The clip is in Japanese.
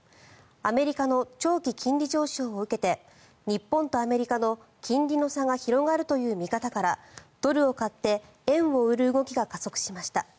アメリカの長期金利上昇を受けて日本とアメリカの金利の差が広がるという見方からドルを買って円を売る動きが加速しました。